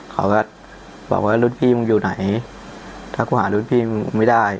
เขาก็บอกว่ารุ่นพี่มึงอยู่ไหนถ้ากูหารุ่นพี่มึงไม่ได้